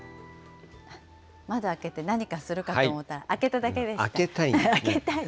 窓開けて何かするかと思った開けたいんですね。